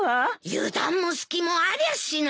油断も隙もありゃしない。